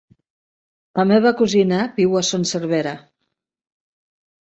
La meva cosina viu a Son Servera.